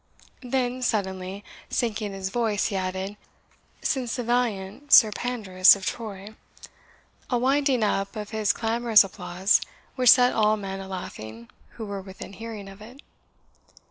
then, suddenly sinking his voice, he added "since the valiant Sir Pandarus of Troy," a winding up of his clamorous applause which set all men a laughing who were within hearing of it.